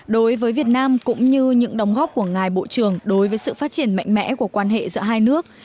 đối với việt nam cũng như những đóng góp của ngài bộ trưởng đối với sự phát triển mạnh mẽ của quan hệ giữa hai nước